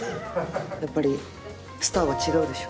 やっぱりスターは違うでしょ？